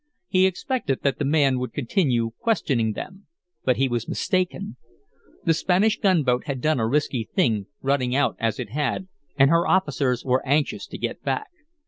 He expected that the man would continue questioning them. But he was mistaken. The Spanish gunboat had done a risky thing, running out as it had, and her officers were anxious to get back.